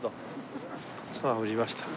さあ降りました。